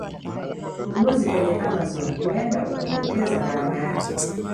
Ununuzi kwenye Amazon huenda ukapoteza gharama yake